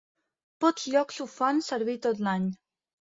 Pocs llocs ho fan servir tot l'any.